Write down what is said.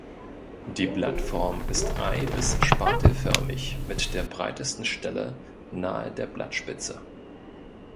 Die Blattform ist ei- bis spatelförmig mit der breitesten Stelle nahe der Blattspitze.